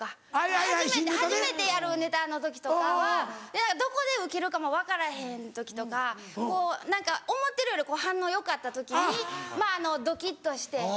初めてやるネタの時とかはどこでウケるかも分からへん時とか何か思ってるより反応よかった時にドキっとして。